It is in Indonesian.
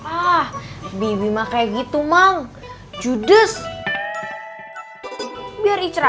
apa miminte gak tau perginya kemana